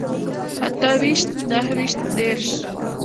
اته ويشت نهه ويشت دېرش